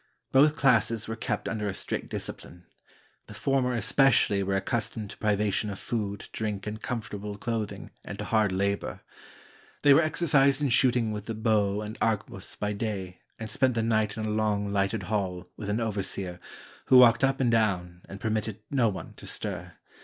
Both classes were kept under a strict discipline. The former especially were accustomed to privation of food, drink, and comfortable clothing, and to hard labor. They were exercised in shooting with the bow and arquebuse by day, and spent the night in a long, lighted hall, with an overseer, who walked up and down, and permitted no one to stir.